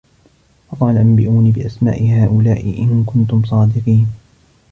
فَقَالَ أَنْبِئُونِي بِأَسْمَاءِ هَٰؤُلَاءِ إِنْ كُنْتُمْ صَادِقِينَ